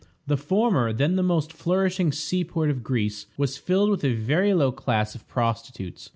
The former, then the most flourishing sea port of Greece, was filled with a very low class of prostitutes.